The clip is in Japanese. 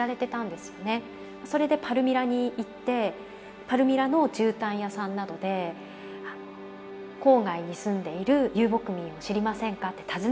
それでパルミラに行ってパルミラのじゅうたん屋さんなどで郊外に住んでいる遊牧民を知りませんかって訪ね歩いたりなどして。